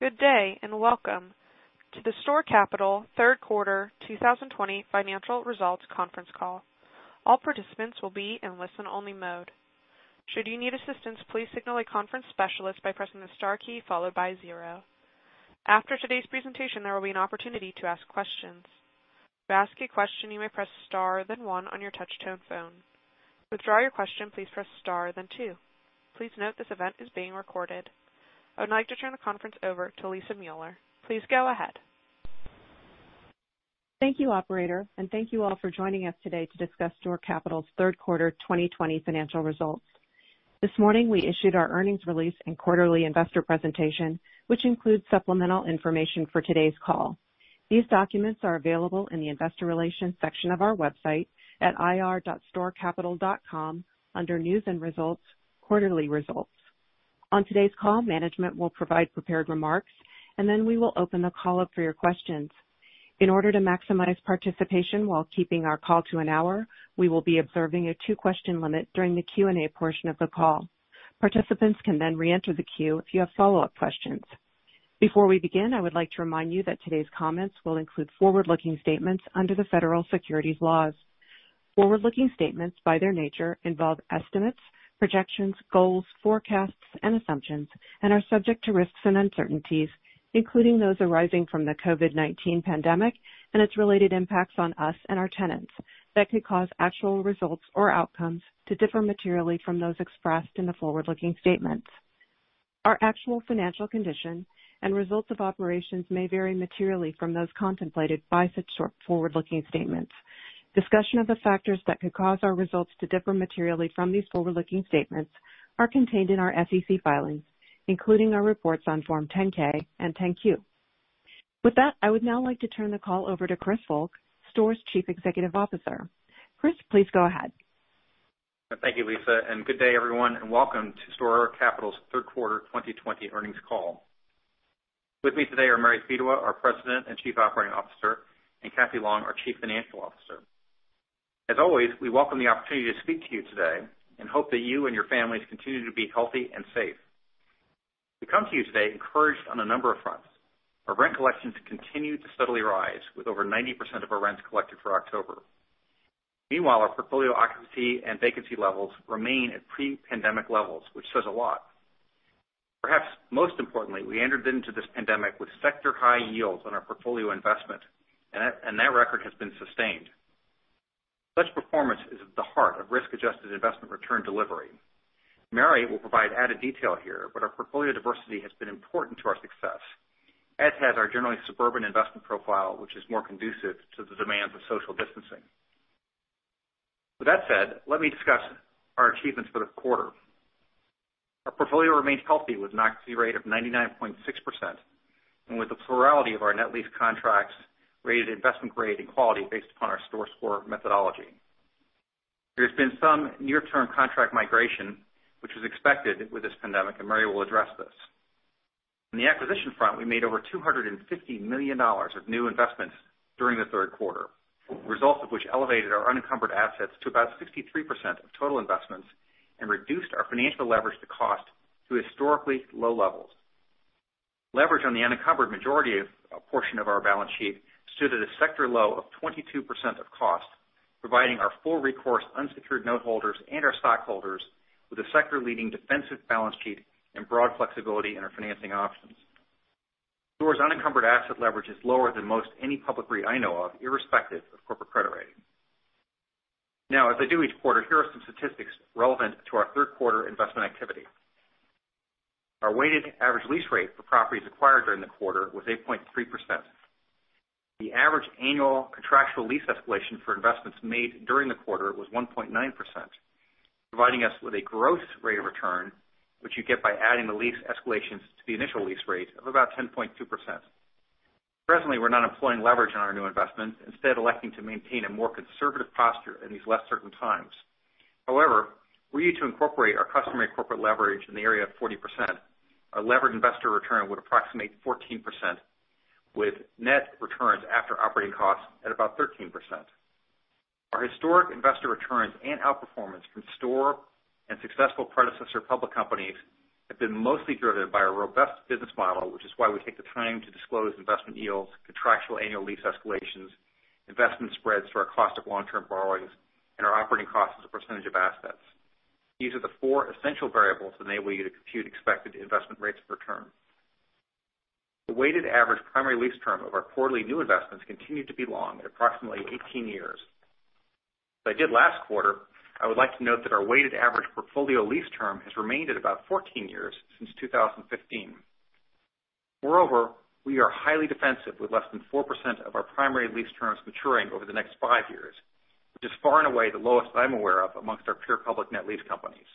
Good day. Welcome to the STORE Capital third quarter 2020 financial results conference call. All participants will be in listen-only mode. Should you need assistance please signal a conference specialist by pressing the star key followed by zero. After today's presentation there will be an opportunity to ask a question. To ask a question you may press star then one on your touch-tone phone. To withdraw your question please press star then two. Please note that event today is being recorded. I would like to turn the conference over to Lisa Mueller. Please go ahead. Thank you, operator. Thank you all for joining us today to discuss STORE Capital's third quarter 2020 financial results. This morning, we issued our earnings release and quarterly investor presentation, which includes supplemental information for today's call. These documents are available in the investor relations section of our website at ir.storecapital.com under News & Results, Quarterly Results. On today's call, management will provide prepared remarks. Then we will open the call up for your questions. In order to maximize participation while keeping our call to an hour, we will be observing a two-question limit during the Q&A portion of the call. Participants can reenter the queue if you have follow-up questions. Before we begin, I would like to remind you that today's comments will include forward-looking statements under the federal securities laws. Forward-looking statements, by their nature, involve estimates, projections, goals, forecasts, and assumptions and are subject to risks and uncertainties, including those arising from the COVID-19 pandemic and its related impacts on us and our tenants that could cause actual results or outcomes to differ materially from those expressed in the forward-looking statements. Our actual financial condition and results of operations may vary materially from those contemplated by such forward-looking statements. Discussion of the factors that could cause our results to differ materially from these forward-looking statements are contained in our SEC filings, including our reports on Form 10-K and 10-Q. With that, I would now like to turn the call over to Christopher Volk, STORE's Chief Executive Officer. Chris, please go ahead. Thank you, Lisa, good day, everyone, and welcome to STORE Capital's third quarter 2020 earnings call. With me today are Mary Fedewa, our President and Chief Operating Officer, and Cathy Long, our Chief Financial Officer. As always, we welcome the opportunity to speak to you today and hope that you and your families continue to be healthy and safe. We come to you today encouraged on a number of fronts. Our rent collections continue to steadily rise, with over 90% of our rents collected for October. Meanwhile, our portfolio occupancy and vacancy levels remain at pre-pandemic levels, which says a lot. Perhaps most importantly, we entered into this pandemic with sector-high yields on our portfolio investment, that record has been sustained. Such performance is at the heart of risk-adjusted investment return delivery. Mary will provide added detail here, but our portfolio diversity has been important to our success, as has our generally suburban investment profile, which is more conducive to the demands of social distancing. With that said, let me discuss our achievements for the quarter. Our portfolio remains healthy, with an occupancy rate of 99.6% and with the plurality of our net lease contracts rated investment-grade in quality based upon our STORE Score methodology. There's been some near-term contract migration, which was expected with this pandemic, and Mary will address this. On the acquisition front, we made over $250 million of new investments during the third quarter, the result of which elevated our unencumbered assets to about 63% of total investments and reduced our financial leverage to cost to historically low levels. Leverage on the unencumbered portion of our balance sheet stood at a sector low of 22% of cost, providing our full recourse unsecured note holders and our stockholders with a sector-leading defensive balance sheet and broad flexibility in our financing options. STORE's unencumbered asset leverage is lower than most any public REIT I know of, irrespective of corporate credit rating. As I do each quarter, here are some statistics relevant to our third quarter investment activity. Our weighted average lease rate for properties acquired during the quarter was 8.3%. The average annual contractual lease escalation for investments made during the quarter was 1.9%, providing us with a gross rate of return, which you get by adding the lease escalations to the initial lease rate of about 10.2%. Presently, we're not employing leverage on our new investment, instead electing to maintain a more conservative posture in these less certain times. We need to incorporate our customary corporate leverage in the area of 40%. Our leveraged investor return would approximate 14%, with net returns after operating costs at about 13%. Our historic investor returns and outperformance from STORE and successful predecessor public companies have been mostly driven by our robust business model, which is why we take the time to disclose investment yields, contractual annual lease escalations, investment spreads to our cost of long-term borrowings, and our operating costs as a percentage of assets. These are the four essential variables that enable you to compute expected investment rates of return. The weighted average primary lease term of our quarterly new investments continued to be long, at approximately 18 years. As I did last quarter, I would like to note that our weighted average portfolio lease term has remained at about 14 years since 2015. Moreover, we are highly defensive with less than 4% of our primary lease terms maturing over the next five years, which is far and away the lowest I am aware of amongst our pure public net lease companies.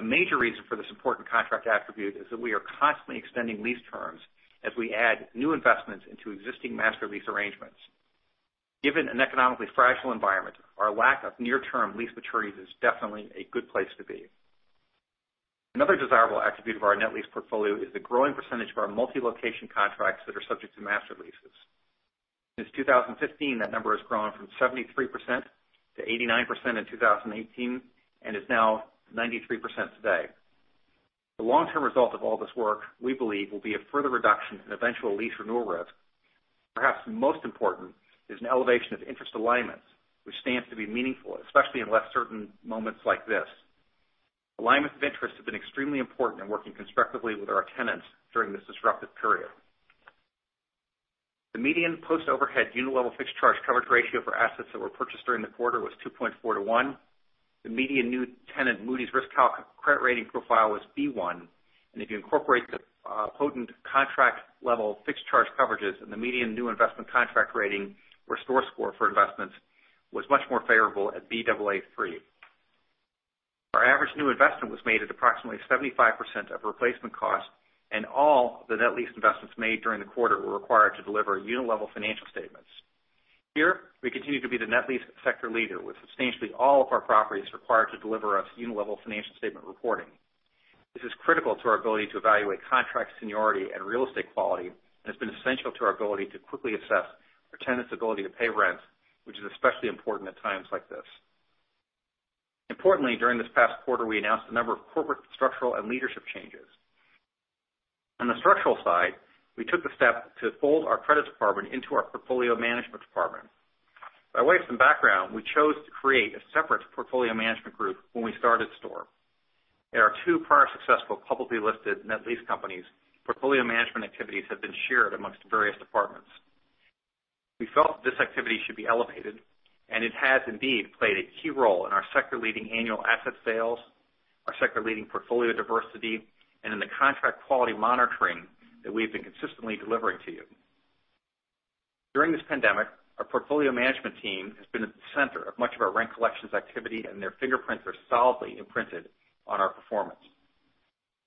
A major reason for this important contract attribute is that we are constantly extending lease terms as we add new investments into existing master lease arrangements. Given an economically fragile environment, our lack of near-term lease maturities is definitely a good place to be. Another desirable attribute of our net lease portfolio is the growing percentage of our multi-location contracts that are subject to master leases. Since 2015, that number has grown from 73%-89% in 2018, and is now 93% today. The long-term result of all this work, we believe, will be a further reduction in eventual lease renewal risk. Perhaps most important is an elevation of interest alignment, which stands to be meaningful, especially in less certain moments like this. Alignment of interests have been extremely important in working constructively with our tenants during this disruptive period. The median post-overhead unit-level fixed charge coverage ratio for assets that were purchased during the quarter was 2.4 to 1. The median new tenant Moody's RiskCalc credit rating profile was B1, and if you incorporate the potent contract-level fixed charge coverages and the median new investment contract rating, where STORE Score for investments was much more favorable at Baa3. Our average new investment was made at approximately 75% of replacement cost, and all the net lease investments made during the quarter were required to deliver unit-level financial statements. Here, we continue to be the net lease sector leader, with substantially all of our properties required to deliver us unit-level financial statement reporting. This is critical to our ability to evaluate contract seniority and real estate quality, and has been essential to our ability to quickly assess our tenants' ability to pay rent, which is especially important at times like this. Importantly, during this past quarter, we announced a number of corporate structural and leadership changes. On the structural side, we took the step to fold our credits department into our portfolio management department. By way of some background, we chose to create a separate portfolio management group when we started STORE. At our two prior successful publicly listed net lease companies. Portfolio management activities have been shared amongst various departments. We felt that this activity should be elevated, and it has indeed played a key role in our sector-leading annual asset sales, our sector-leading portfolio diversity, and in the contract quality monitoring that we've been consistently delivering to you. During this pandemic, our portfolio management team has been at the center of much of our rent collections activity, and their fingerprints are solidly imprinted on our performance.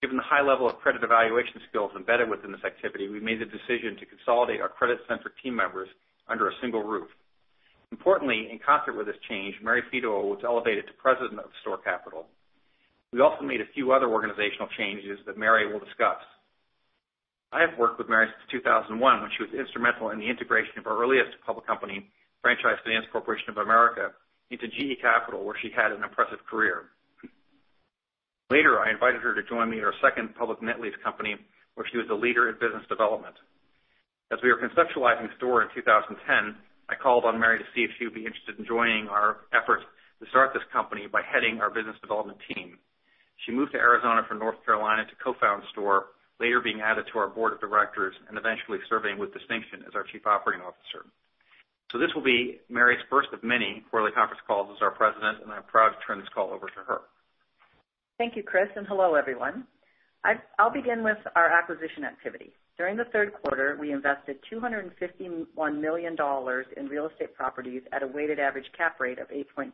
Given the high level of credit evaluation skills embedded within this activity, we made the decision to consolidate our credit-centric team members under a single roof. Importantly, in concert with this change, Mary Fedewa was elevated to President of STORE Capital. We also made a few other organizational changes that Mary will discuss. I have worked with Mary since 2001, when she was instrumental in the integration of our earliest public company, Franchise Finance Corporation of America, into GE Capital, where she had an impressive career. Later, I invited her to join me in our second public net lease company, where she was the leader in business development. As we were conceptualizing STORE in 2010, I called on Mary to see if she would be interested in joining our efforts to start this company by heading our business development team. She moved to Arizona from North Carolina to co-found STORE, later being added to our board of directors and eventually serving with distinction as our Chief Operating Officer. This will be Mary's first of many quarterly conference calls as our President, and I'm proud to turn this call over to her. Thank you, Chris, and hello, everyone. I'll begin with our acquisition activity. During the third quarter, we invested $251 million in real estate properties at a weighted average cap rate of 8.3%.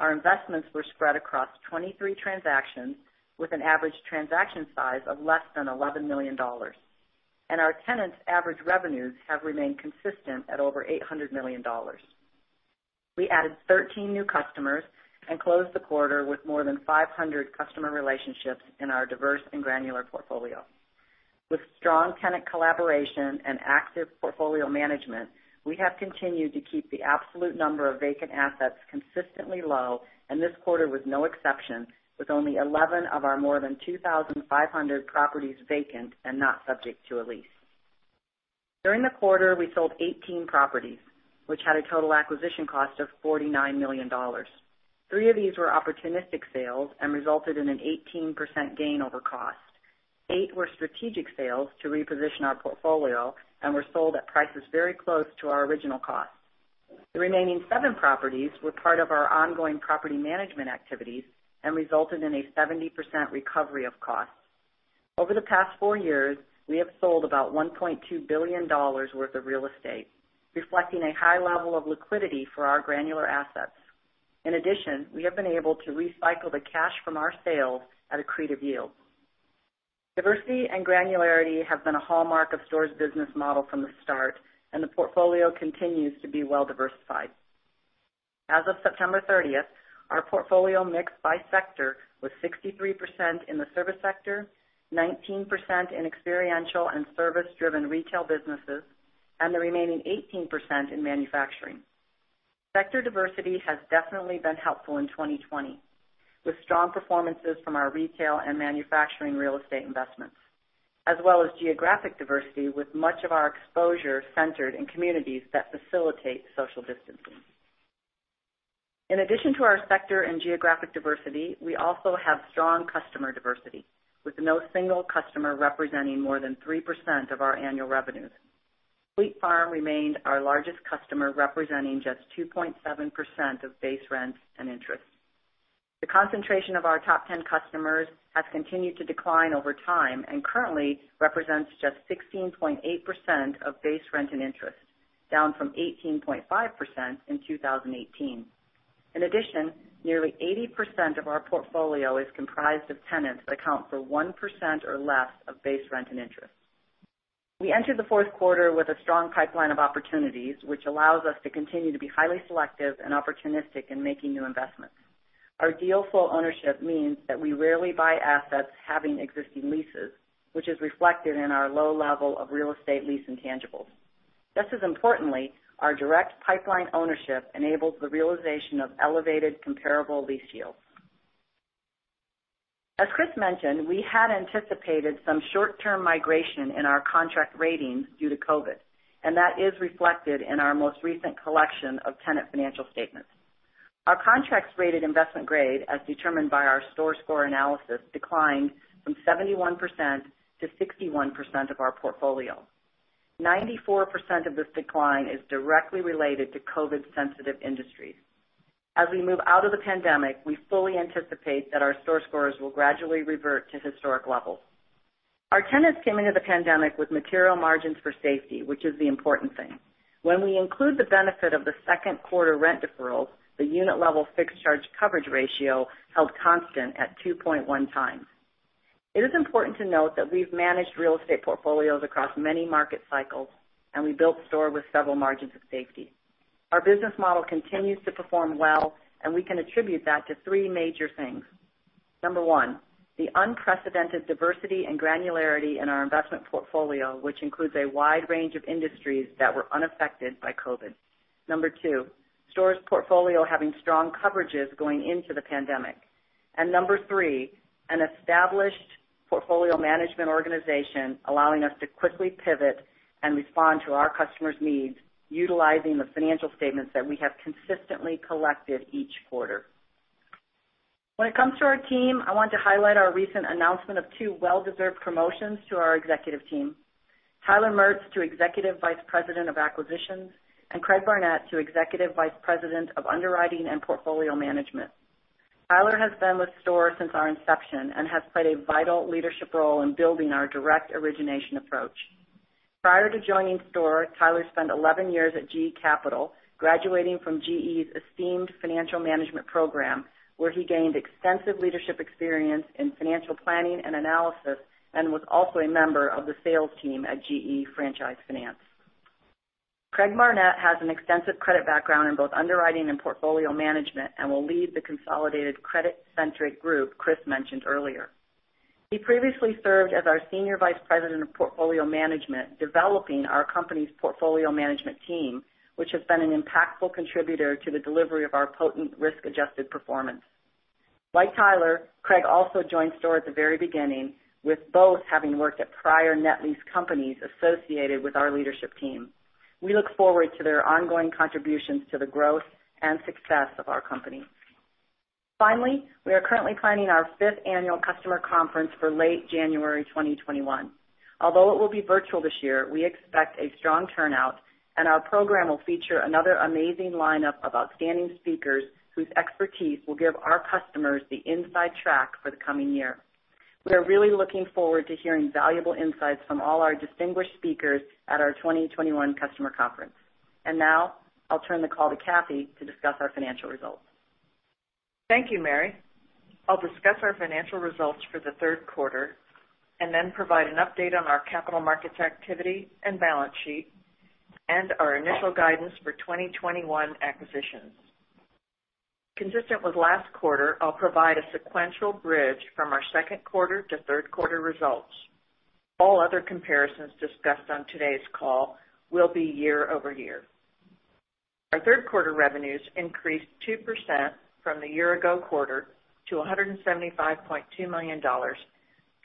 Our investments were spread across 23 transactions, with an average transaction size of less than $11 million. Our tenants' average revenues have remained consistent at over $800 million. We added 13 new customers and closed the quarter with more than 500 customer relationships in our diverse and granular portfolio. With strong tenant collaboration and active portfolio management, we have continued to keep the absolute number of vacant assets consistently low, and this quarter was no exception, with only 11 of our more than 2,500 properties vacant and not subject to a lease. During the quarter, we sold 18 properties, which had a total acquisition cost of $49 million. Three of these were opportunistic sales and resulted in an 18% gain over cost. Eight were strategic sales to reposition our portfolio and were sold at prices very close to our original cost. The remaining seven properties were part of our ongoing property management activities and resulted in a 70% recovery of costs. Over the past four years, we have sold about $1.2 billion worth of real estate, reflecting a high level of liquidity for our granular assets. In addition, we have been able to recycle the cash from our sales at accretive yield. Diversity and granularity have been a hallmark of STORE's business model from the start, and the portfolio continues to be well-diversified. As of September 30th, our portfolio mix by sector was 63% in the service sector, 19% in experiential and service-driven retail businesses, and the remaining 18% in manufacturing. Sector diversity has definitely been helpful in 2020, with strong performances from our retail and manufacturing real estate investments, as well as geographic diversity, with much of our exposure centered in communities that facilitate social distancing. In addition to our sector and geographic diversity, we also have strong customer diversity, with no single customer representing more than 3% of our annual revenues. Fleet Farm remained our largest customer, representing just 2.7% of base rents and interests. The concentration of our top 10 customers has continued to decline over time, and currently represents just 16.8% of base rent and interest, down from 18.5% in 2018. In addition, nearly 80% of our portfolio is comprised of tenants that account for 1% or less of base rent and interest. We entered the fourth quarter with a strong pipeline of opportunities, which allows us to continue to be highly selective and opportunistic in making new investments. Our deal flow ownership means that we rarely buy assets having existing leases, which is reflected in our low level of real estate lease intangibles. Just as importantly, our direct pipeline ownership enables the realization of elevated comparable lease yields. As Chris mentioned, we had anticipated some short-term migration in our contract ratings due to COVID, and that is reflected in our most recent collection of tenant financial statements. Our contracts rated investment grade, as determined by our STORE Score analysis, declined from 71%-61% of our portfolio. 94% of this decline is directly related to COVID-sensitive industries. As we move out of the pandemic, we fully anticipate that our STORE Scores will gradually revert to historic levels. Our tenants came into the pandemic with material margins for safety, which is the important thing. When we include the benefit of the second quarter rent deferrals, the unit-level fixed charge coverage ratio held constant at 2.1x. It is important to note that we've managed real estate portfolios across many market cycles, and we built STORE with several margins of safety. Our business model continues to perform well, and we can attribute that to three major things. Number one, the unprecedented diversity and granularity in our investment portfolio, which includes a wide range of industries that were unaffected by COVID. Number two, STORE's portfolio having strong coverages going into the pandemic. Number three, an established portfolio management organization allowing us to quickly pivot and respond to our customers' needs, utilizing the financial statements that we have consistently collected each quarter. When it comes to our team, I want to highlight our recent announcement of two well-deserved promotions to our executive team. Tyler Maertz to Executive Vice President of Acquisitions, and Craig Barnett to Executive Vice President of Underwriting and Portfolio Management. Tyler has been with STORE since our inception and has played a vital leadership role in building our direct origination approach. Prior to joining STORE, Tyler spent 11 years at GE Capital, graduating from GE's esteemed financial management program, where he gained extensive leadership experience in financial planning and analysis, and was also a member of the sales team at GE Franchise Finance. Craig Barnett has an extensive credit background in both underwriting and portfolio management and will lead the consolidated credit-centric group Chris mentioned earlier. He previously served as our Senior Vice President of Portfolio Management, developing our company's portfolio management team, which has been an impactful contributor to the delivery of our potent risk-adjusted performance. Like Tyler, Craig also joined STORE at the very beginning, with both having worked at prior net lease companies associated with our leadership team. We look forward to their ongoing contributions to the growth and success of our company. We are currently planning our fifth annual Customer Conference for late January 2021. Although it will be virtual this year, we expect a strong turnout, and our program will feature another amazing lineup of outstanding speakers whose expertise will give our customers the inside track for the coming year. We are really looking forward to hearing valuable insights from all our distinguished speakers at our 2021 Customer Conference. Now I'll turn the call to Cathy to discuss our financial results. Thank you, Mary. I'll discuss our financial results for the third quarter and then provide an update on our capital markets activity and balance sheet and our initial guidance for 2021 acquisitions. Consistent with last quarter, I'll provide a sequential bridge from our second quarter to third quarter results. All other comparisons discussed on today's call will be year-over-year. Our third quarter revenues increased 2% from the year ago quarter to $175.2 million,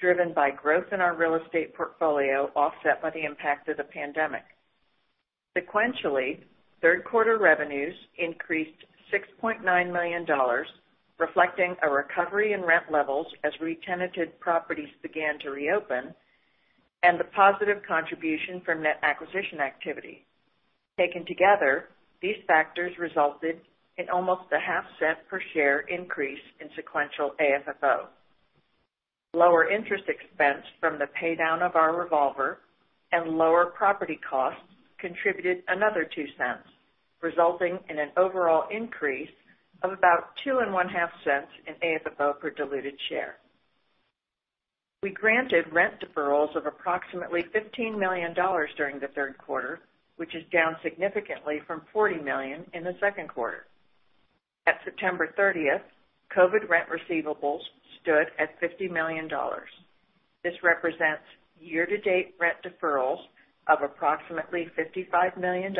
driven by growth in our real estate portfolio, offset by the impact of the pandemic. Sequentially, third quarter revenues increased $6.9 million, reflecting a recovery in rent levels as re-tenanted properties began to reopen, and the positive contribution from net acquisition activity. Taken together, these factors resulted in almost a $0.005 per share increase in sequential AFFO. Lower interest expense from the paydown of our revolver and lower property costs contributed another $0.02, resulting in an overall increase of about $0.025 in AFFO per diluted share. We granted rent deferrals of approximately $15 million during the third quarter, which is down significantly from $40 million in the second quarter. At September 30th, COVID rent receivables stood at $50 million. This represents year-to-date rent deferrals of approximately $55 million,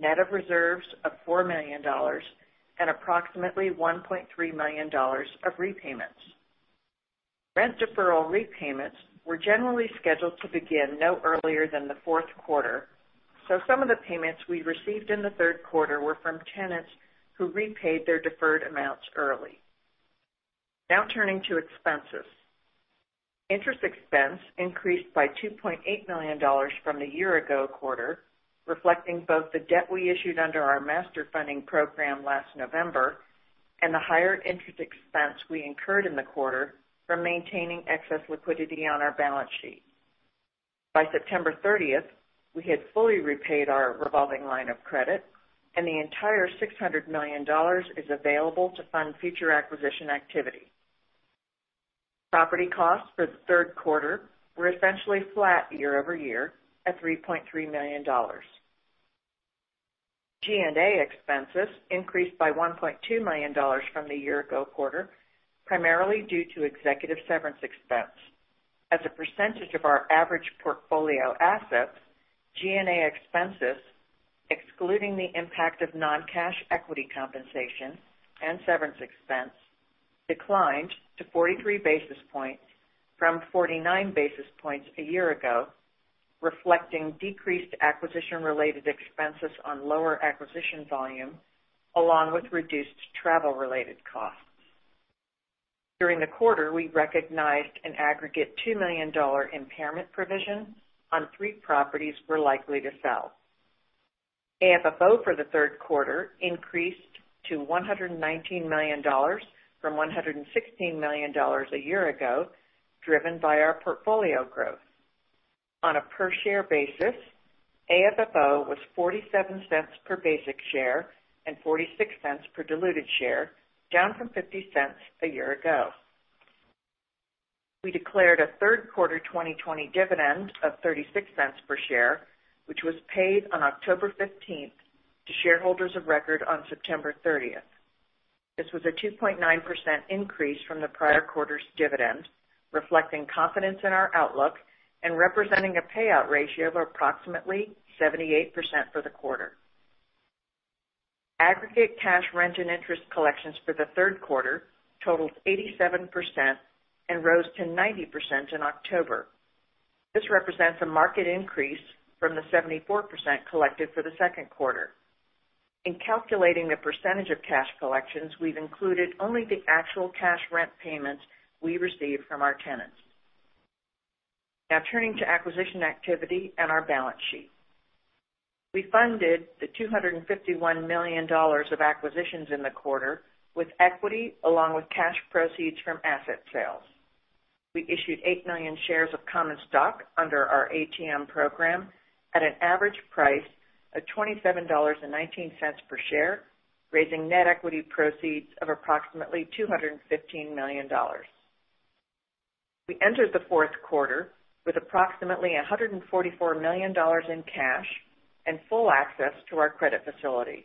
net of reserves of $4 million, and approximately $1.3 million of repayments. Rent deferral repayments were generally scheduled to begin no earlier than the fourth quarter, some of the payments we received in the third quarter were from tenants who repaid their deferred amounts early. Turning to expenses. Interest expense increased by $2.8 million from the year-ago quarter, reflecting both the debt we issued under our master funding program last November and the higher interest expense we incurred in the quarter from maintaining excess liquidity on our balance sheet. By September 30th, we had fully repaid our revolving line of credit, and the entire $600 million is available to fund future acquisition activity. Property costs for the third quarter were essentially flat year-over-year at $3.3 million. G&A expenses increased by $1.2 million from the year-ago quarter, primarily due to executive severance expense. As a percentage of our average portfolio assets, G&A expenses, excluding the impact of non-cash equity compensation and severance expense, declined to 43 basis points from 49 basis points a year ago, reflecting decreased acquisition-related expenses on lower acquisition volume, along with reduced travel-related costs. During the quarter, we recognized an aggregate $2 million impairment provision on three properties we're likely to sell. AFFO for the third quarter increased to $119 million from $116 million a year-ago, driven by our portfolio growth. On a per share basis, AFFO was $0.47 per basic share and $0.46 per diluted share, down from $0.50 a year-ago. We declared a third quarter 2020 dividend of $0.36 per share, which was paid on October 15th to shareholders of record on September 30th. This was a 2.9% increase from the prior quarter's dividend, reflecting confidence in our outlook and representing a payout ratio of approximately 78% for the quarter. Aggregate cash rent and interest collections for the third quarter totaled 87% and rose to 90% in October. This represents a market increase from the 74% collected for the second quarter. In calculating the percent of cash collections, we've included only the actual cash rent payments we received from our tenants. Turning to acquisition activity and our balance sheet. We funded the $251 million of acquisitions in the quarter with equity, along with cash proceeds from asset sales. We issued 8 million shares of common stock under our ATM program at an average price of $27.19 per share, raising net equity proceeds of approximately $215 million. We entered the fourth quarter with approximately $144 million in cash and full access to our credit facility.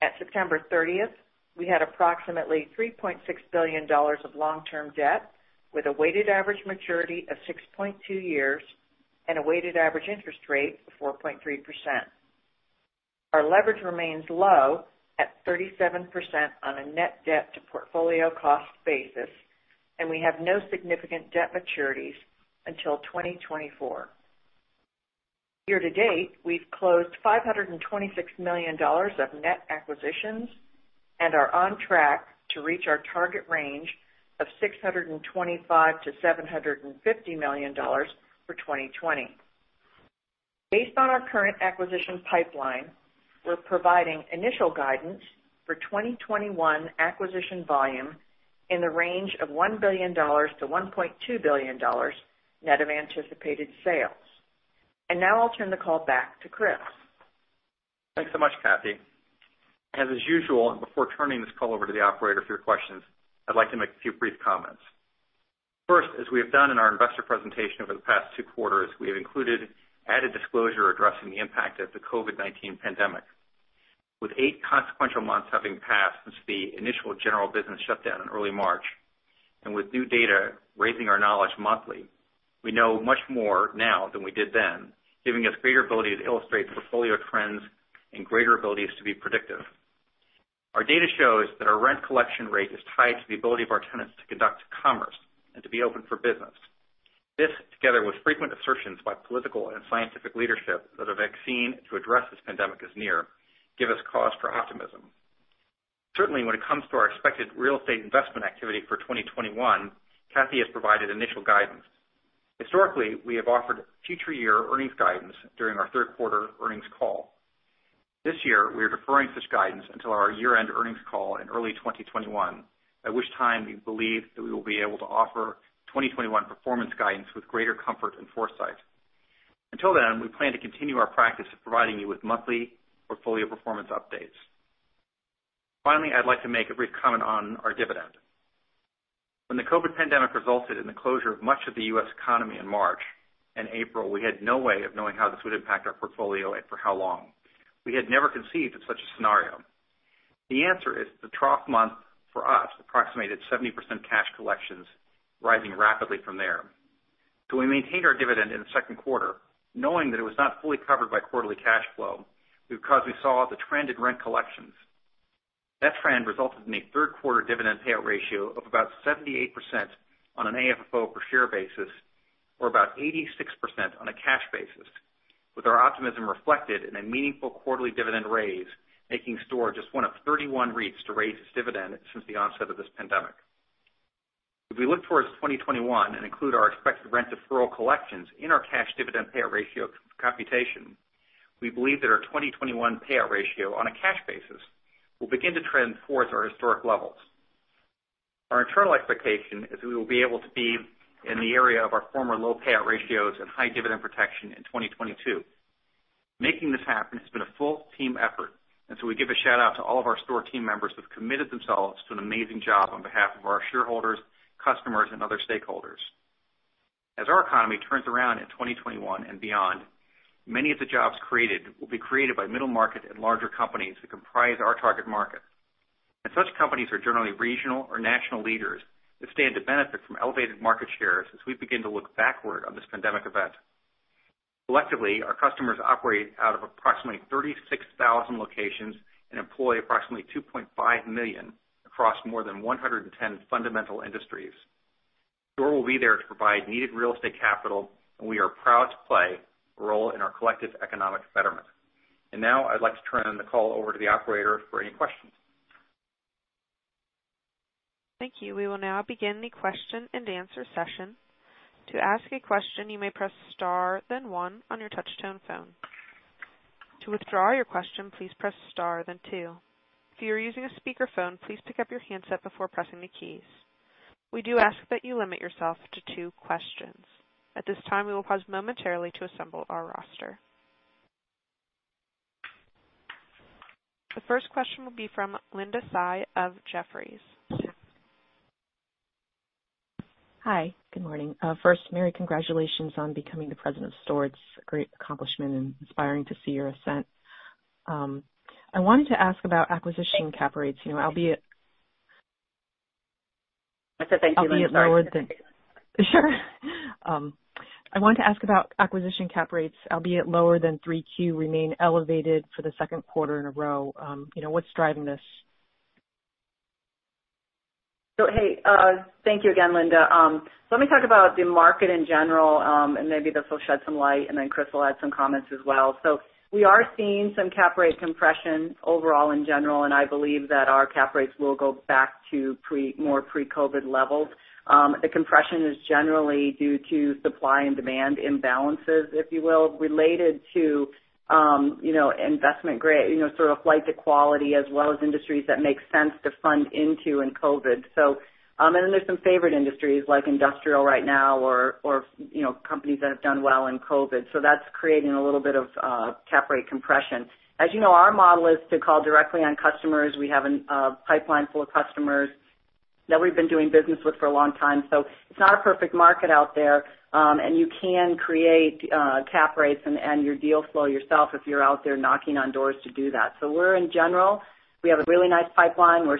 At September 30th, we had approximately $3.6 billion of long-term debt, with a weighted average maturity of 6.2 years and a weighted average interest rate of 4.3%. Our leverage remains low at 37% on a net debt to portfolio cost basis, we have no significant debt maturities until 2024. Year-to-date, we've closed $526 million of net acquisitions and are on track to reach our target range of $625 million-$750 million for 2020. Based on our current acquisition pipeline, we're providing initial guidance for 2021 acquisition volume in the range of $1 billion-$1.2 billion, net of anticipated sales. Now I'll turn the call back to Chris. Thanks so much, Cathy. As usual, before turning this call over to the operator for your questions, I'd like to make a few brief comments. First, as we have done in our investor presentation over the past two quarters, we have included added disclosure addressing the impact of the COVID-19 pandemic. With eight consequential months having passed since the initial general business shutdown in early March, with new data raising our knowledge monthly, we know much more now than we did then, giving us greater ability to illustrate portfolio trends and greater abilities to be predictive. Our data shows that our rent collection rate is tied to the ability of our tenants to conduct commerce and to be open for business. This, together with frequent assertions by political and scientific leadership that a vaccine to address this pandemic is near, give us cause for optimism. Certainly, when it comes to our expected real estate investment activity for 2021, Cathy has provided initial guidance. Historically, we have offered future year earnings guidance during our third quarter earnings call. This year, we are deferring this guidance until our year-end earnings call in early 2021, at which time we believe that we will be able to offer 2021 performance guidance with greater comfort and foresight. Until then, we plan to continue our practice of providing you with monthly portfolio performance updates. Finally, I'd like to make a brief comment on our dividend. When the COVID-19 pandemic resulted in the closure of much of the U.S. economy in March and April, we had no way of knowing how this would impact our portfolio and for how long. We had never conceived of such a scenario. The answer is the trough month for us approximated 70% cash collections, rising rapidly from there. We maintained our dividend in the second quarter, knowing that it was not fully covered by quarterly cash flow because we saw the trend in rent collections. That trend resulted in a third quarter dividend payout ratio of about 78% on an AFFO per share basis, or about 86% on a cash basis, with our optimism reflected in a meaningful quarterly dividend raise, making STORE just one of 31 REITs to raise its dividend since the onset of this pandemic. If we look towards 2021 and include our expected rent deferral collections in our cash dividend payout ratio computation, we believe that our 2021 payout ratio on a cash basis will begin to trend towards our historic levels. Our internal expectation is we will be able to be in the area of our former low payout ratios and high dividend protection in 2022. Making this happen has been a full team effort, and so we give a shout-out to all of our STORE team members who have committed themselves to an amazing job on behalf of our shareholders, customers, and other stakeholders. As our economy turns around in 2021 and beyond, many of the jobs created will be created by middle market and larger companies who comprise our target market. Such companies are generally regional or national leaders that stand to benefit from elevated market shares as we begin to look backward on this pandemic event. Collectively, our customers operate out of approximately 36,000 locations and employ approximately 2.5 million across more than 110 fundamental industries. STORE will be there to provide needed real estate capital, and we are proud to play a role in our collective economic betterment. Now I'd like to turn the call over to the operator for any questions. Thank you. We will now begin the question-and-answer session. To ask a question you may press star then one on your touch-tone phone. To withdraw your question please press star then two. Who uses speaker phone please pick up your handset before pressing the key. We do ask that you limit yourself to two question. At this time we will pause momentarily to assemble our questions. The first question will be from Linda Tsai of Jefferies. Hi. Good morning. First, Mary, congratulations on becoming the president of STORE. It's a great accomplishment and inspiring to see your ascent. I wanted to ask about acquisition cap rates. I said thank you, Linda. Sorry. Sure. I wanted to ask about acquisition cap rates, albeit lower than 3Q, remain elevated for the second quarter in a row. What's driving this? Hey. Thank you again, Linda. Let me talk about the market in general, and maybe this will shed some light, and then Chris will add some comments as well. We are seeing some cap rate compression overall in general, and I believe that our cap rates will go back to more pre-COVID levels. The compression is generally due to supply and demand imbalances, if you will, related to investment-grade, sort of flight to quality, as well as industries that make sense to fund into in COVID. There's some favorite industries like industrial right now or companies that have done well in COVID. That's creating a little bit of cap rate compression. As you know, our model is to call directly on customers. We have a pipeline full of customers that we've been doing business with for a long time. It's not a perfect market out there. You can create cap rates and your deal flow yourself if you're out there knocking on doors to do that. In general, we have a really nice pipeline. We're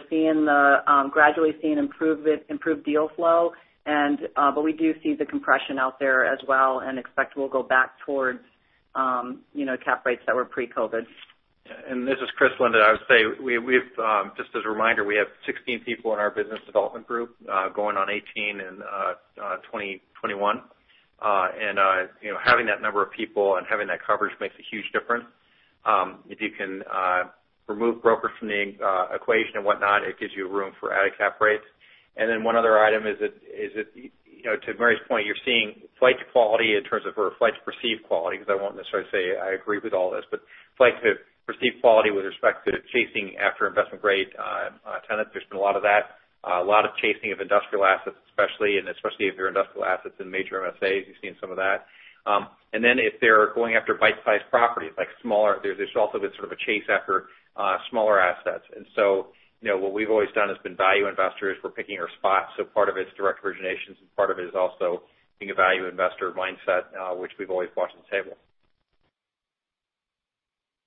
gradually seeing improved deal flow. We do see the compression out there as well and expect we'll go back towards cap rates that were pre-COVID. This is Chris, Linda. I would say, just as a reminder, we have 16 people in our business development group, going on 18 in 2021. Having that number of people and having that coverage makes a huge difference. If you can remove brokers from the equation and whatnot, it gives you room for added cap rates. One other item is that, to Mary's point, you're seeing flight to quality in terms of, or flight to perceived quality, because I won't necessarily say I agree with all this, but flight to perceived quality with respect to chasing after investment-grade tenants. There's been a lot of that. A lot of chasing of industrial assets especially, and especially if they're industrial assets in major MSAs. You've seen some of that. If they're going after bite-sized properties like. There's also been sort of a chase after smaller assets. What we've always done as been value investors, we're picking our spots. Part of it's direct originations, and part of it is also being a value investor mindset, which we've always brought to the table.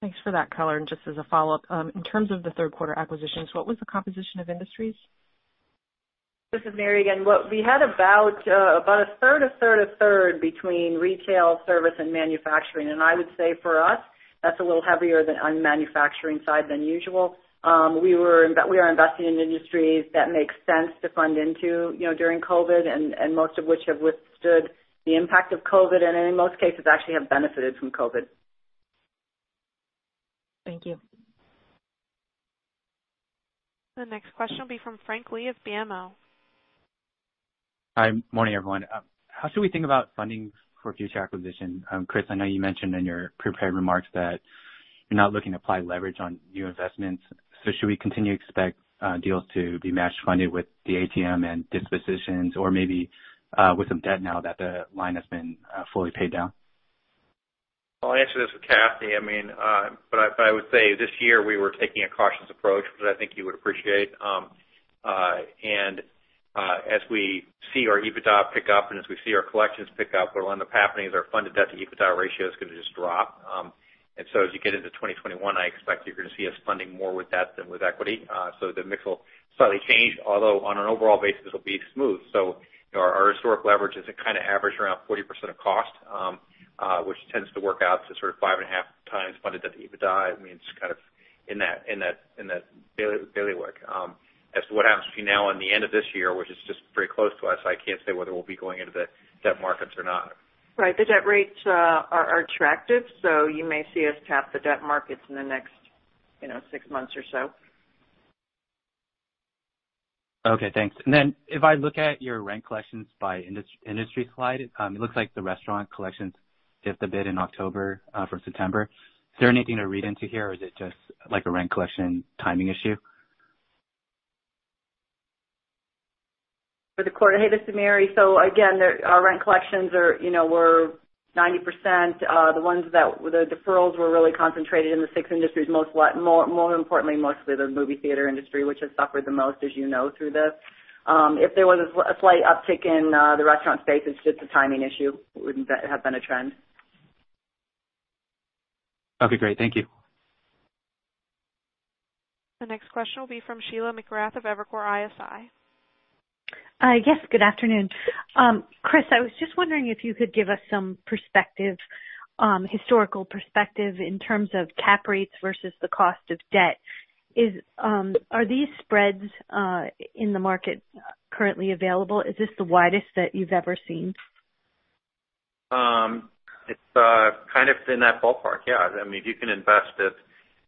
Thanks for that color. Just as a follow-up, in terms of the third quarter acquisitions, what was the composition of industries? This is Mary again. We had about a third, a third, a third between retail, service, and manufacturing. I would say for us, that's a little heavier on the manufacturing side than usual. We are investing in industries that make sense to fund into during COVID and most of which have withstood the impact of COVID and in most cases, actually have benefited from COVID. Thank you. The next question will be from Frank Lee of BMO. Hi. Morning, everyone. How should we think about funding for future acquisition? Chris, I know you mentioned in your prepared remarks that you're not looking to apply leverage on new investments. Should we continue to expect deals to be match funded with the ATM and dispositions, or maybe with some debt now that the line has been fully paid down? I'll answer this with Cathy. I would say this year we were taking a cautious approach, which I think you would appreciate. As we see our EBITDA pick up and as we see our collections pick up, what'll end up happening is our funded debt-to-EBITDA ratio is going to just drop. As you get into 2021, I expect you're going to see us funding more with debt than with equity. The mix will slightly change, although on an overall basis, it'll be smooth. Our historic leverage is kind of average around 40% of cost, which tends to work out to sort of 5.5x funded debt to EBITDA. I mean, it's kind of in that daily work. As to what happens between now and the end of this year, which is just pretty close to us, I can't say whether we'll be going into the debt markets or not. Right. The debt rates are attractive, so you may see us tap the debt markets in the next six months or so. Okay, thanks. If I look at your rent collections by industry slide, it looks like the restaurant collections dipped a bit in October from September. Is there anything to read into here, or is it just like a rent collection timing issue? For the quarter. Hey, this is Mary. Again, our rent collections were 90%. The ones that the deferrals were really concentrated in the six industries, more importantly, mostly the movie theater industry, which has suffered the most as you know through this. If there was a slight uptick in the restaurant space, it's just a timing issue. It wouldn't have been a trend. Okay, great. Thank you. The next question will be from Sheila McGrath of Evercore ISI. Yes, good afternoon. Chris, I was just wondering if you could give us some historical perspective in terms of cap rates versus the cost of debt. Are these spreads in the market currently available? Is this the widest that you've ever seen? It's kind of in that ballpark, yeah. If you can invest at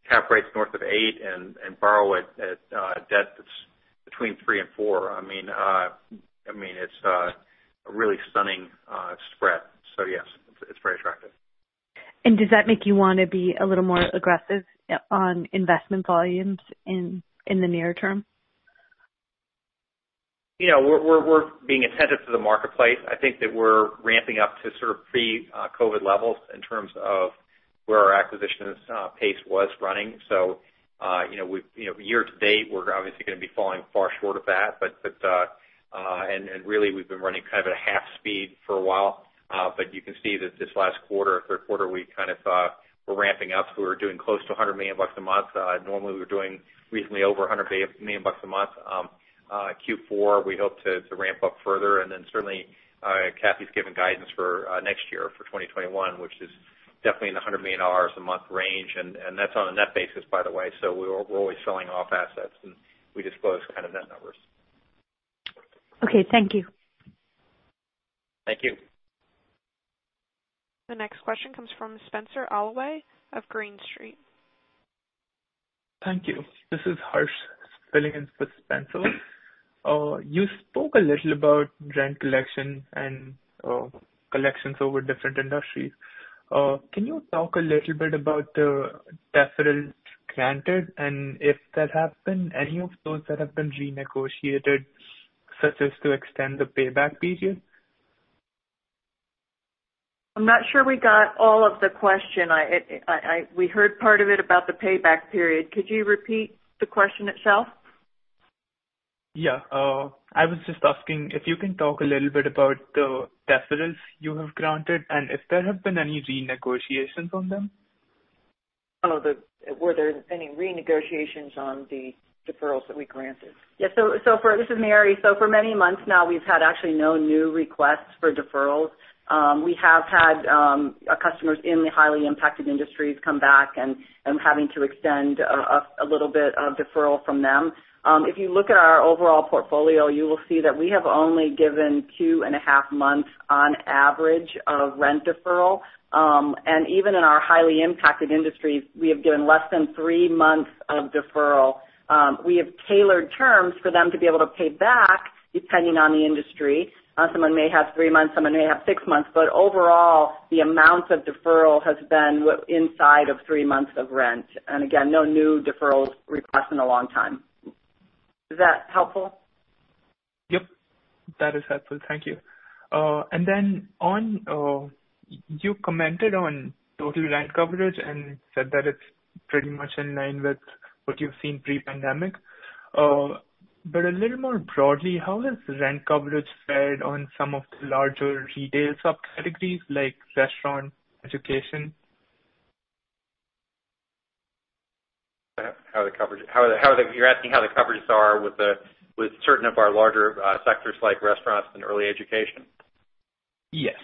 cap rates north of eight and borrow at a debt that's between three and four, it's a really stunning spread. Yes, it's very attractive. Does that make you want to be a little more aggressive on investment volumes in the near term? We're being attentive to the marketplace. I think that we're ramping up to sort of pre-COVID levels in terms of where our acquisitions pace was running. Year to date, we're obviously going to be falling far short of that. Really, we've been running kind of at a half speed for a while. You can see that this last quarter, third quarter, we kind of saw we're ramping up, so we're doing close to $100 million a month. Normally, we were doing recently over $100 million a month. Q4, we hope to ramp up further. Certainly, Cathy's given guidance for next year, for 2021, which is definitely in the $100 million a month range. That's on a net basis, by the way. We're always selling off assets, and we disclose kind of net numbers. Okay. Thank you. Thank you. The next question comes from Spenser Allaway of Green Street. Thank you. This is Harsh filling in for Spenser. You spoke a little about rent collection and collections over different industries. Can you talk a little bit about the deferrals granted and if there have been any of those that have been renegotiated, such as to extend the payback period? I'm not sure we got all of the question. We heard part of it about the payback period. Could you repeat the question itself? Yeah. I was just asking if you can talk a little bit about the deferrals you have granted and if there have been any renegotiations on them? Were there any renegotiations on the deferrals that we granted? Yeah. This is Mary. For many months now, we've had actually no new requests for deferrals. We have had our customers in the highly impacted industries come back and having to extend a little bit of deferral from them. If you look at our overall portfolio, you will see that we have only given two and a 1/2 months, on average, of rent deferral. Even in our highly impacted industries, we have given less than three months of deferral. We have tailored terms for them to be able to pay back depending on the industry. Someone may have three months, someone may have six months, overall, the amount of deferral has been inside of three months of rent. Again, no new deferrals requests in a long time. Is that helpful? Yep, that is helpful. Thank you. Then you commented on total rent coverage and said that it's pretty much in line with what you've seen pre-COVID. A little more broadly, how has rent coverage fared on some of the larger retail subcategories like restaurant, education? You're asking how the coverages are with certain of our larger sectors like restaurants and early education? Yes.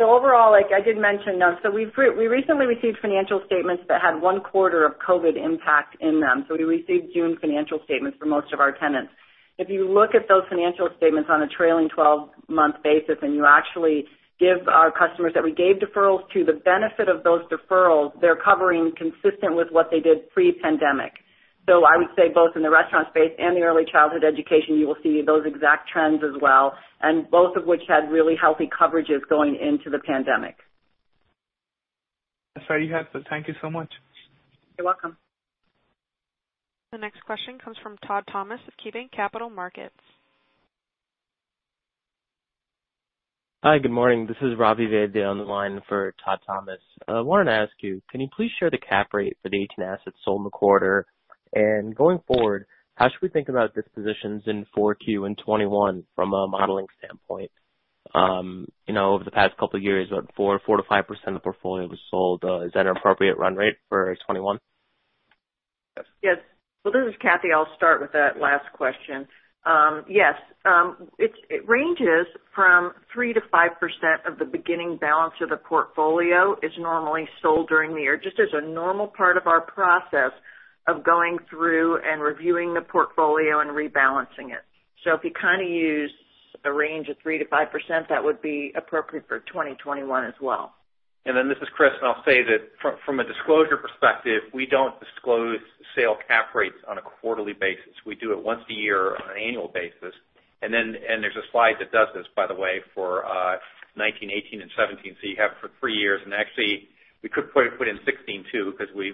Overall, like I did mention, we recently received financial statements that had one quarter of COVID impact in them. We received June financial statements for most of our tenants. If you look at those financial statements on a trailing 12-month basis, and you actually give our customers that we gave deferrals to the benefit of those deferrals, they're covering consistent with what they did pre-pandemic. I would say both in the restaurant space and the early childhood education, you will see those exact trends as well, and both of which had really healthy coverages going into the pandemic. That's very helpful. Thank you so much. You're welcome. The next question comes from Todd Thomas of KeyBanc Capital Markets. Hi, good morning. This is Ravi Vaidya on the line for Todd Thomas. I wanted to ask you, can you please share the cap rate for the 18 assets sold in the quarter? Going forward, how should we think about dispositions in 4Q and 2021 from a modeling standpoint? Over the past couple of years, about 4%-5% of the portfolio was sold. Is that an appropriate run rate for 2021? Yes. Well, this is Cathy. I'll start with that last question. Yes. It ranges from 3%-5% of the beginning balance of the portfolio is normally sold during the year, just as a normal part of our process of going through and reviewing the portfolio and rebalancing it. If you kind of use a range of 3%-5%, that would be appropriate for 2021 as well. This is Chris, and I'll say that from a disclosure perspective, we don't disclose sale cap rates on a quarterly basis. We do it once a year on an annual basis. There's a slide that does this, by the way, for 2019, 2018, and 2017. You have it for three years, and actually, we could probably put in 2016 too, because we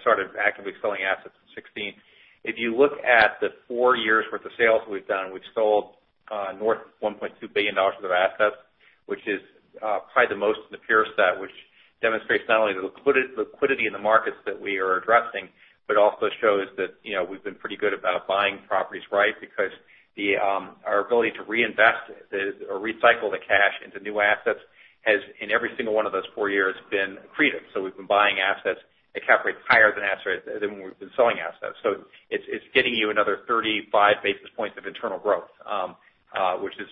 started actively selling assets in 2016. If you look at the four years' worth of sales we've done, we've sold north of $1.2 billion of our assets, which is probably the most in the peer set, which demonstrates not only the liquidity in the markets that we are addressing, but also shows that we've been pretty good about buying properties right. Our ability to reinvest or recycle the cash into new assets has, in every single one of those four years, been accretive. We've been buying assets at cap rates higher than that rate than when we've been selling assets. It's getting you another 35 basis points of internal growth,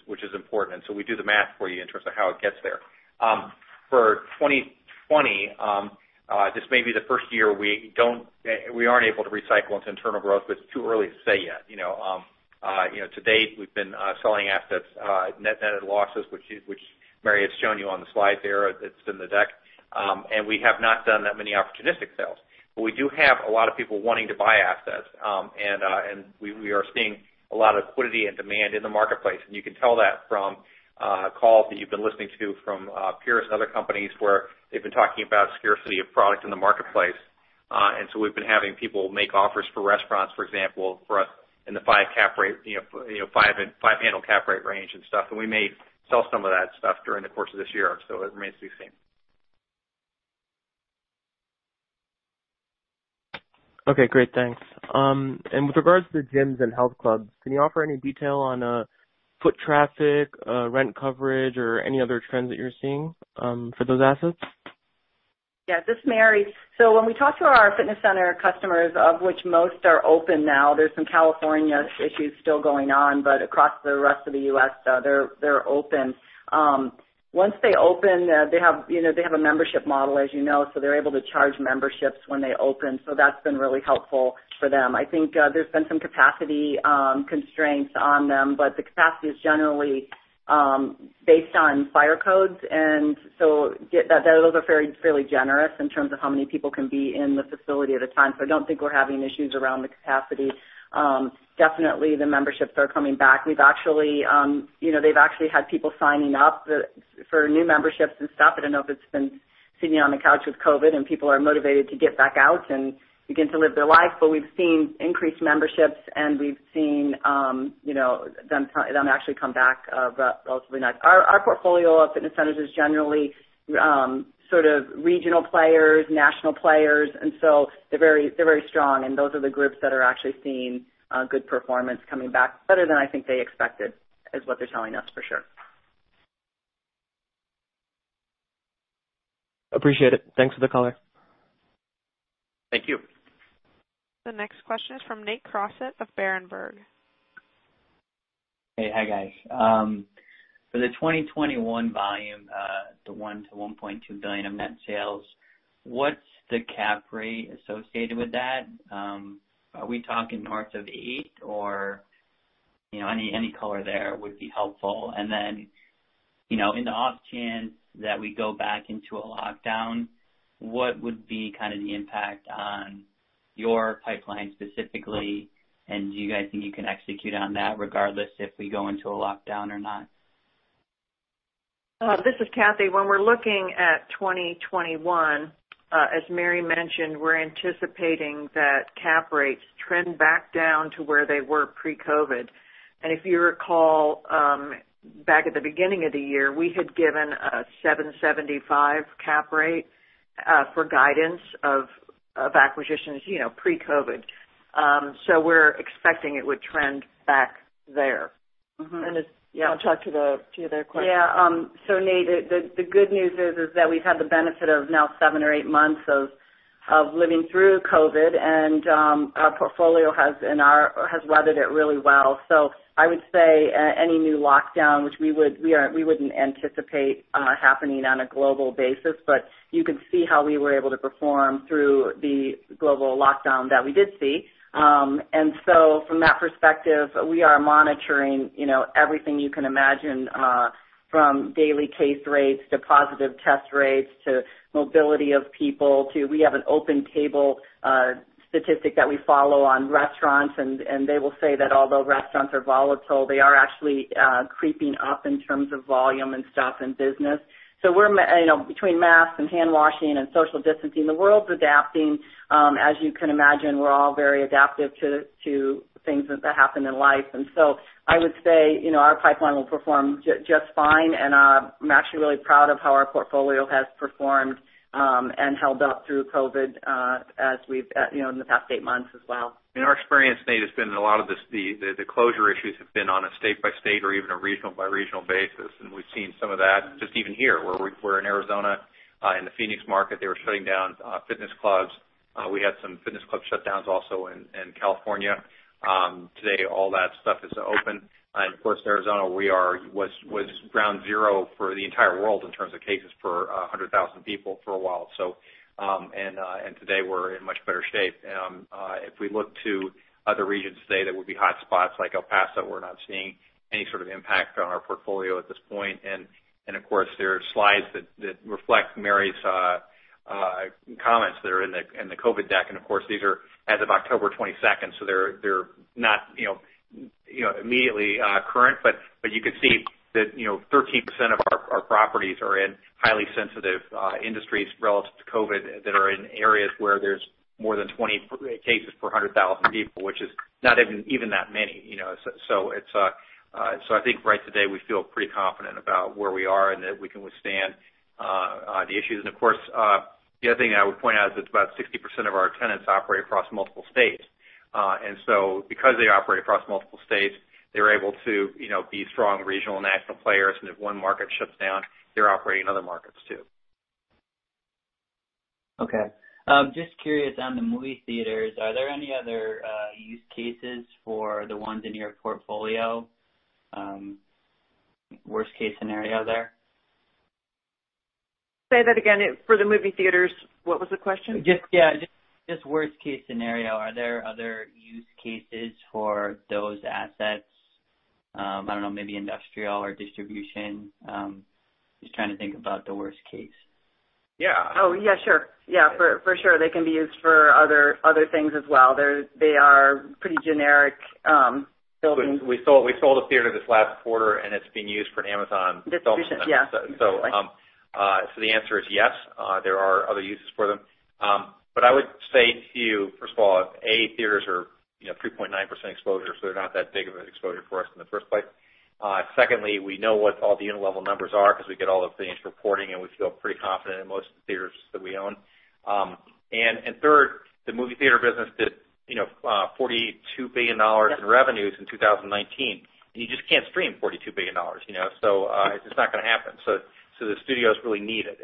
which is important. We do the math for you in terms of how it gets there. For 2020, this may be the first year we aren't able to recycle into internal growth, but it's too early to say yet. To date, we've been selling assets net of losses, which Mary has shown you on the slide there that's in the deck. We have not done that many opportunistic sales. We do have a lot of people wanting to buy assets. We are seeing a lot of liquidity and demand in the marketplace. You can tell that from calls that you've been listening to from peers and other companies where they've been talking about scarcity of product in the marketplace. We've been having people make offers for restaurants, for example, for us in the 5 handle cap rate range and stuff. We may sell some of that stuff during the course of this year. It remains to be seen. Okay, great. Thanks. With regards to gyms and health clubs, can you offer any detail on foot traffic, rent coverage, or any other trends that you're seeing for those assets? Yeah, this is Mary. When we talk to our fitness center customers, of which most are open now, there's some California issues still going on, but across the rest of the U.S., they're open. Once they open, they have a membership model, as you know, so they're able to charge memberships when they open. That's been really helpful for them. I think there's been some capacity constraints on them, but the capacity is generally based on fire codes, and so those are fairly generous in terms of how many people can be in the facility at a time. I don't think we're having issues around the capacity. Definitely, the memberships are coming back. They've actually had people signing up for new memberships and stuff. I don't know if it's been sitting on the couch with COVID and people are motivated to get back out and begin to live their life. We've seen increased memberships and we've seen them actually come back relatively nice. Our portfolio of fitness centers is generally sort of regional players, national players. They're very strong, and those are the groups that are actually seeing good performance coming back. Better than I think they expected, is what they're telling us, for sure. Appreciate it. Thanks for the color. Thank you. The next question is from Nate Crossett of Berenberg. Hey. Hi, guys. For the 2021 volume, the $1 billion-$1.2 billion of net sales, what's the cap rate associated with that? Are we talking north of eight or any color there would be helpful. In the off chance that we go back into a lockdown, what would be kind of the impact on your pipeline specifically, and do you guys think you can execute on that regardless if we go into a lockdown or not? This is Cathy. We're looking at 2021, as Mary mentioned, we're anticipating that cap rates trend back down to where they were pre-COVID. If you recall, back at the beginning of the year, we had given a 7.75 cap rate for guidance of acquisitions pre-COVID. We're expecting it would trend back there. I'll talk to your other question. Yeah. Nate, the good news is that we've had the benefit of now seven or eight months of living through COVID-19, and our portfolio has weathered it really well. I would say any new lockdown, which we wouldn't anticipate happening on a global basis, but you could see how we were able to perform through the global lockdown that we did see. From that perspective, we are monitoring everything you can imagine, from daily case rates to positive test rates to mobility of people to we have an OpenTable statistic that we follow on restaurants, and they will say that although restaurants are volatile, they are actually creeping up in terms of volume and stuff and business. Between masks and hand washing and social distancing, the world's adapting. As you can imagine, we're all very adaptive to things that happen in life. I would say our pipeline will perform just fine, and I'm actually really proud of how our portfolio has performed and held up through COVID in the past eight months as well. In our experience, Nate, it's been a lot of the closure issues have been on a state-by-state or even a regional-by-regional basis, and we've seen some of that just even here, where we're in Arizona, in the Phoenix market, they were shutting down fitness clubs. We had some fitness club shutdowns also in California. Today, all that stuff is open. Of course, Arizona was ground zero for the entire world in terms of cases per 100,000 people for a while. Today, we're in much better shape. If we look to other regions today that would be hot spots like El Paso, we're not seeing any sort of impact on our portfolio at this point. Of course, there are slides that reflect Mary's comments that are in the COVID deck. Of course, these are as of October 22nd, so they're not immediately current, but you can see that 13% of our properties are in highly sensitive industries relative to COVID that are in areas where there's more than 20 cases per 100,000 people, which is not even that many. I think right today, we feel pretty confident about where we are and that we can withstand the issues. Of course, the other thing I would point out is it's about 60% of our tenants operate across multiple states. Because they operate across multiple states, they're able to be strong regional national players, and if one market shuts down, they're operating in other markets too. Okay. Just curious, on the movie theaters, are there any other use cases for the ones in your portfolio? Worst-case scenario there. Say that again. For the movie theaters, what was the question? Just worst-case scenario. Are there other use cases for those assets? I don't know, maybe industrial or distribution. Just trying to think about the worst case. Yeah. Oh, yeah. Sure. For sure. They can be used for other things as well. They are pretty generic buildings. We sold a theater this last quarter, and it's being used for an Amazon fulfillment center. Distribution, yeah. The answer is yes, there are other uses for them. I would say to you, first of all, A, theaters are 3.9% exposure, so they're not that big of an exposure for us in the first place. Secondly, we know what all the unit level numbers are because we get all the financial reporting, and we feel pretty confident in most of the theaters that we own. Third, the movie theater business did $42 billion in revenues in 2019, and you just can't stream $42 billion. It's just not going to happen. The studios really need it.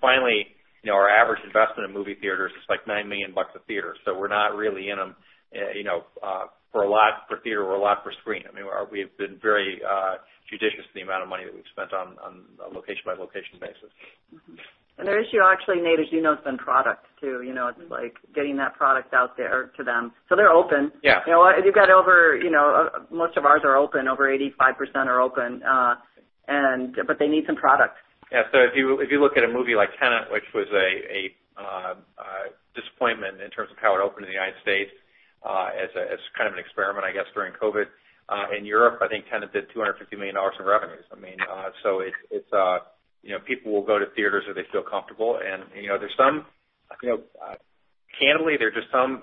Finally, our average investment in movie theaters is like $9 million a theater. We're not really in them for a lot per theater or a lot per screen. I mean, we've been very judicious with the amount of money that we've spent on a location-by-location basis. The issue actually, Nate, as you know, has been product too. It's like getting that product out there to them. They're open. Yeah. Most of ours are open. Over 85% are open. They need some product. Yeah. If you look at a movie like Tenet, which was a disappointment in terms of how it opened in the United States as kind of an experiment, I guess, during COVID. In Europe, I think Tenet did $250 million in revenues. People will go to theaters if they feel comfortable, and candidly, there are just some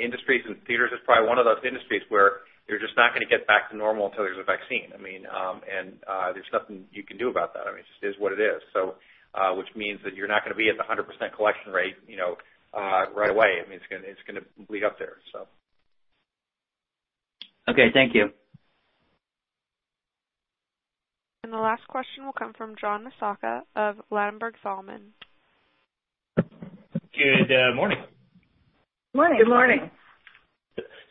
industries, and theaters is probably one of those industries, where you're just not going to get back to normal until there's a vaccine. There's nothing you can do about that. I mean, it just is what it is. Which means that you're not going to be at the 100% collection rate right away. I mean, it's going to lead up there. Okay. Thank you. The last question will come from John Massocca of Ladenburg Thalmann. Good morning. Morning. Good morning.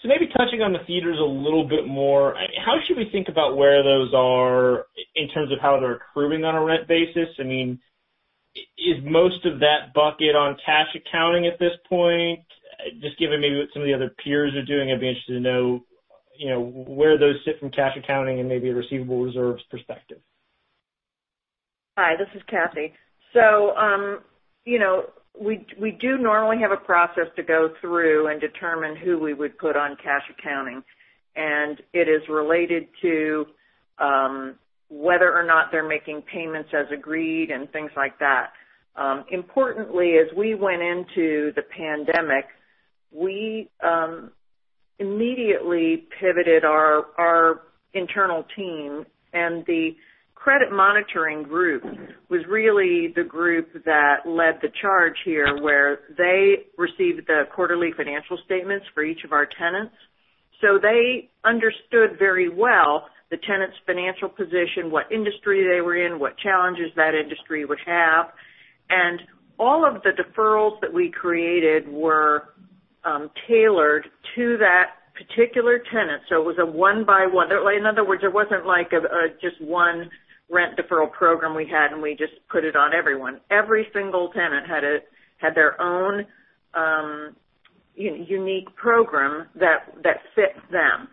Maybe touching on the theaters a little bit more, how should we think about where those are in terms of how they're accruing on a rent basis? I mean, is most of that bucket on cash accounting at this point? Just given maybe what some of the other peers are doing, I'd be interested to know where those sit from cash accounting and maybe a receivable reserves perspective. Hi, this is Cathy. We do normally have a process to go through and determine who we would put on cash accounting, and it is related to whether or not they're making payments as agreed and things like that. Importantly, as we went into the pandemic, we immediately pivoted our internal team, and the credit monitoring group was really the group that led the charge here, where they received the quarterly financial statements for each of our tenants. They understood very well the tenant's financial position, what industry they were in, what challenges that industry would have. All of the deferrals that we created were tailored to that particular tenant. It was a one-by-one. In other words, it wasn't like just one rent deferral program we had, and we just put it on everyone. Every single tenant had their own unique program that fit them.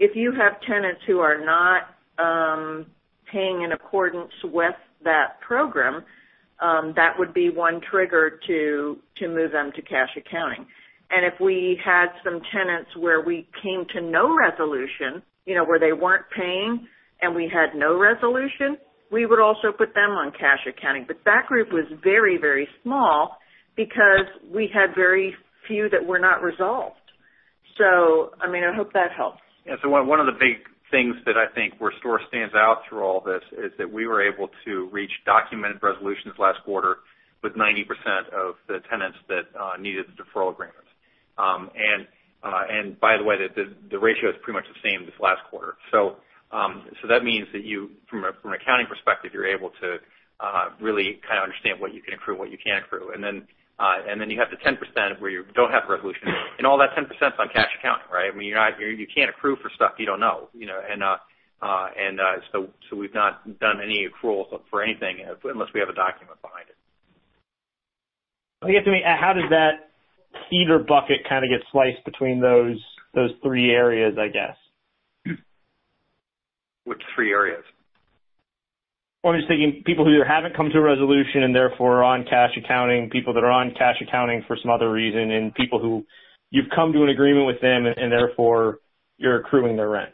If you have tenants who are not paying in accordance with that program, that would be one trigger to move them to cash accounting. If we had some tenants where we came to no resolution, where they weren't paying and we had no resolution, we would also put them on cash accounting. That group was very, very small because we had very few that were not resolved. I hope that helps. One of the big things that I think where STORE stands out through all this is that we were able to reach documented resolutions last quarter with 90% of the tenants that needed the deferral agreements. By the way, the ratio is pretty much the same this last quarter. That means that from an accounting perspective, you're able to really kind of understand what you can accrue and what you can't accrue. Then you have the 10% where you don't have a resolution. All that 10%'s on cash accounting, right? I mean, you can't accrue for stuff you don't know. We've not done any accrual for anything unless we have a document behind it. I guess, I mean, how does that theater bucket kind of get sliced between those three areas, I guess? Three areas. I'm just thinking, people who either haven't come to a resolution and therefore are on cash accounting, people that are on cash accounting for some other reason, and people who you've come to an agreement with them and therefore you're accruing their rent.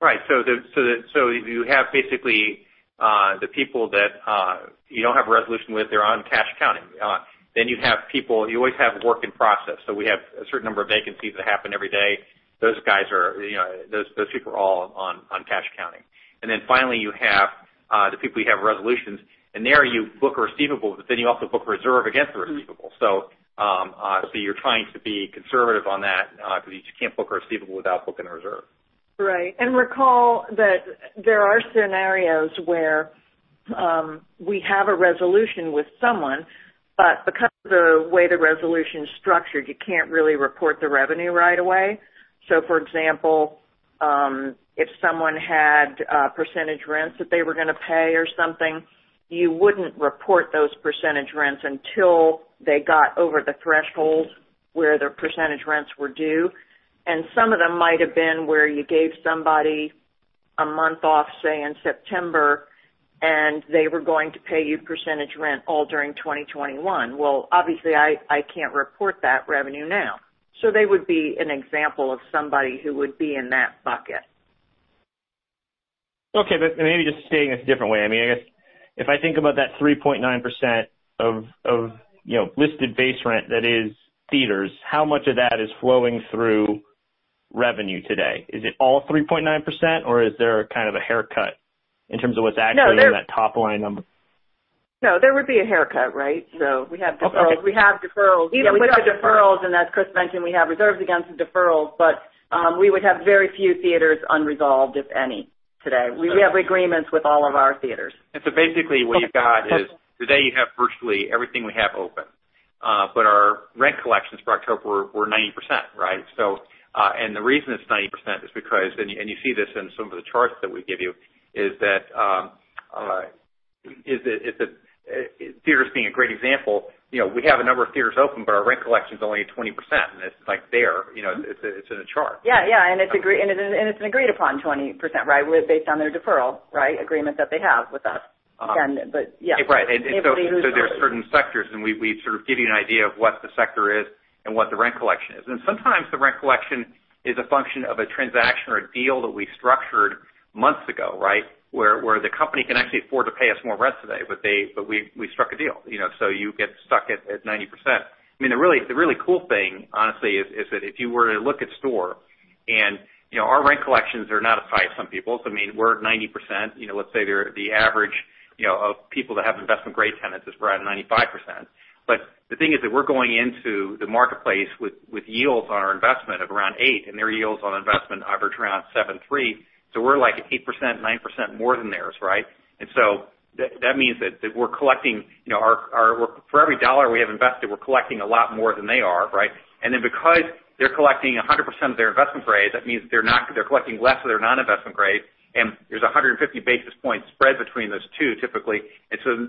Right. You have basically the people that you don't have a resolution with, they're on cash accounting. You always have work in process. We have a certain number of vacancies that happen every day. Those people are all on cash accounting. Finally, you have the people you have resolutions, and there you book a receivable, but then you also book reserve against the receivable. You're trying to be conservative on that, because you can't book a receivable without booking a reserve. Right. Recall that there are scenarios where we have a resolution with someone, but because of the way the resolution's structured, you can't really report the revenue right away. For example, if someone had percentage rents that they were going to pay or something, you wouldn't report those percentage rents until they got over the threshold where their percentage rents were due. Some of them might've been where you gave somebody a month off, say, in September, and they were going to pay you percentage rent all during 2021. Obviously, I can't report that revenue now. They would be an example of somebody who would be in that bucket. Okay. Maybe just stating this a different way. I guess if I think about that 3.9% of listed base rent that is theaters, how much of that is flowing through revenue today? Is it all 3.9%, or is there a kind of a haircut in terms of what's actually in that top-line number? No, there would be a haircut, right? We have deferrals. Okay. We have deferrals And as Chris mentioned, we have reserves against the deferrals, but we would have very few theaters unresolved, if any, today. We have agreements with all of our theaters. Basically, what you've got is today you have virtually everything we have open. Our rent collections for October were 90%, right? The reason it's 90% is because, and you see this in some of the charts that we give you, is that theaters being a great example, we have a number of theaters open, but our rent collection's only at 20%, and it's there. It's in the chart. Yeah. It's an agreed-upon 20%, right? Based on their deferral agreement that they have with us. Yeah. Right. There are certain sectors, and we sort of give you an idea of what the sector is and what the rent collection is. Sometimes the rent collection is a function of a transaction or a deal that we structured months ago, right? Where the company can actually afford to pay us more rent today, but we struck a deal. You get stuck at 90%. The really cool thing, honestly, is that if you were to look at STORE, and our rent collections are not as high as some people's. We're at 90%. Let's say the average of people that have investment-grade tenants is right around 95%. The thing is that we're going into the marketplace with yields on our investment of around 8%, and their yields on investment average around 7.3%. We're like 8%, 9% more than theirs, right? That means that for every dollar we have invested, we're collecting a lot more than they are, right? Because they're collecting 100% of their investment grade, that means they're collecting less of their non-investment grade, and there's 150 basis points spread between those two typically.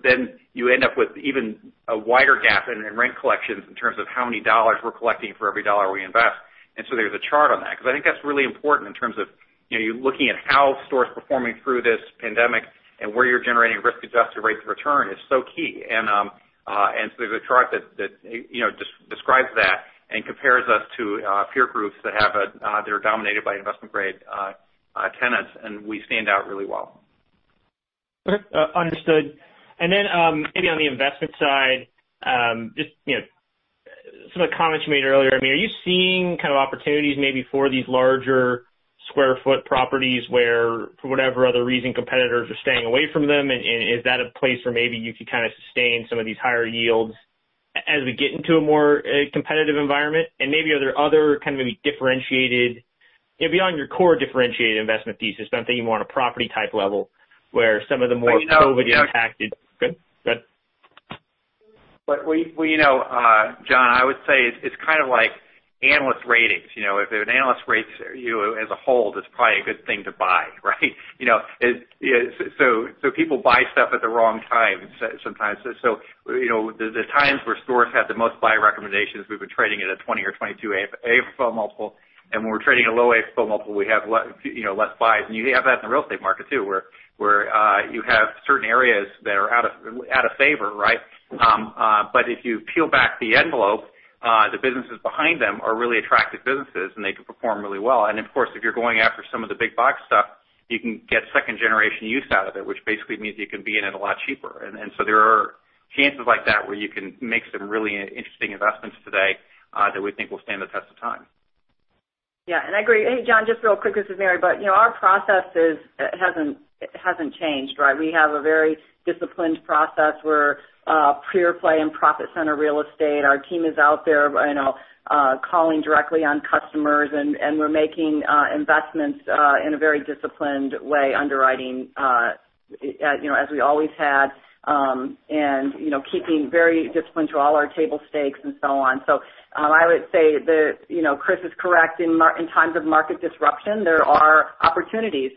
Then you end up with even a wider gap in rent collections in terms of how many dollars we're collecting for every dollar we invest. There's a chart on that, because I think that's really important in terms of you looking at how STORE's performing through this pandemic and where you're generating risk-adjusted rates of return is so key. There's a chart that describes that and compares us to peer groups that are dominated by investment-grade tenants, and we stand out really well. Okay. Understood. Maybe on the investment side, just some of the comments you made earlier, are you seeing kind of opportunities maybe for these larger square foot properties where, for whatever other reason, competitors are staying away from them? Is that a place where maybe you could kind of sustain some of these higher yields as we get into a more competitive environment? Maybe are there other kind of maybe differentiated, beyond your core differentiated investment thesis, but I'm thinking more on a property type level. You know- Go ahead. Well, John, I would say it's kind of like analyst ratings. If an analyst rates you as a hold, it's probably a good thing to buy, right? People buy stuff at the wrong time sometimes. The times where STORE's had the most buy recommendations, we've been trading at a 20 or 22 AFFO multiple, and when we're trading at a low AFFO multiple, we have less buys. You have that in the real estate market too, where you have certain areas that are out of favor, right? If you peel back the envelope, the businesses behind them are really attractive businesses, and they can perform really well. Of course, if you're going after some of the big box stuff, you can get second-generation use out of it, which basically means you can be in it a lot cheaper. There are chances like that where you can make some really interesting investments today that we think will stand the test of time. Yeah, I agree. Hey, John, just real quick, this is Mary, our process hasn't changed. We have a very disciplined process. We're pure-play and profit center real estate. Our team is out there calling directly on customers, we're making investments in a very disciplined way, underwriting as we always had, keeping very disciplined to all our table stakes and so on. I would say that Chris is correct. In times of market disruption, there are opportunities,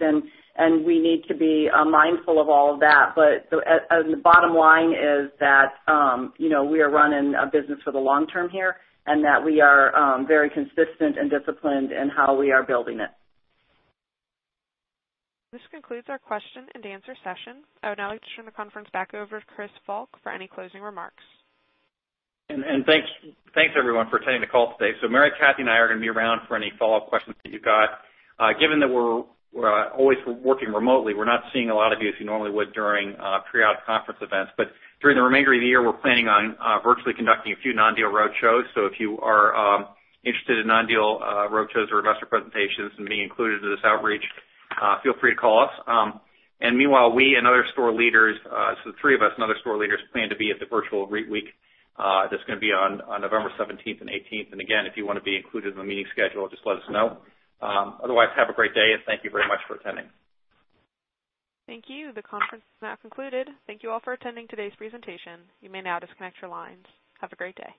we need to be mindful of all of that. The bottom line is that we are running a business for the long term here, that we are very consistent and disciplined in how we are building it. This concludes our question and answer session. I would now like to turn the conference back over to Chris Volk for any closing remarks. Thanks everyone for attending the call today. Mary, Cathy, and I are going to be around for any follow-up questions that you've got. Given that we're always working remotely, we're not seeing a lot of you as we normally would during pre-COVID conference events. During the remainder of the year, we're planning on virtually conducting a few non-deal roadshows. If you are interested in non-deal roadshows or investor presentations and being included in this outreach, feel free to call us. Meanwhile, we and other STORE leaders, so the three of us and other STORE leaders plan to be at the virtual REITweek. That's going to be on November 17th and 18th. Again, if you want to be included in the meeting schedule, just let us know. Otherwise, have a great day, and thank you very much for attending. Thank you. The conference is now concluded. Thank you all for attending today's presentation. You may now disconnect your lines. Have a great day.